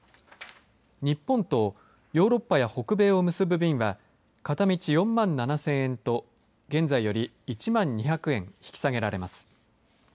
日本とヨーロッパや北米を結ぶ便は片道４万７０００円と現在より１万２００円引き下げられます。